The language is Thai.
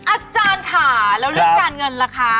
อาจารย์ค่ะแล้วเรื่องการเงินล่ะคะ